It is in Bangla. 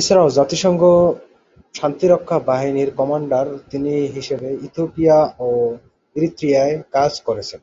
এছাড়াও জাতিসংঘ শান্তিরক্ষা বাহিনীর কমান্ডার তিনি হিসেবে ইথিওপিয়া ও ইরিত্রিয়ায় কাজ করেছেন।